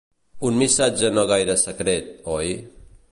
Un missatge no gaire secret, oi?